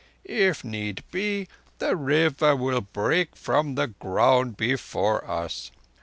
If need be, the River will break from the ground before us.